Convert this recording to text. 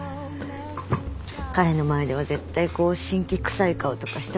彼の前では絶対こうしんきくさい顔とかしたくないじゃん。